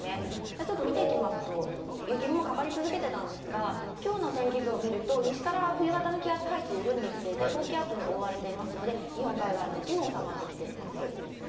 ちょっと見ていきますと、雪雲かかり続けてたんですが、きょうの天気図を見ると、西から冬型の気圧配置緩んできていて、高気圧に覆われていますので、日本海側の雪も収まってきています。